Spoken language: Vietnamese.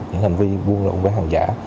những hành vi buôn lộn hàng giả